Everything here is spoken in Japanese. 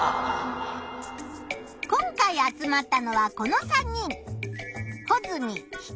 今回集まったのはこの３人。